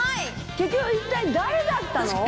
結局一体誰だったの？